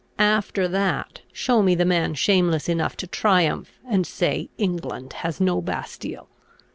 After that, show me the man shameless enough to triumph, and say, England has no Bastile!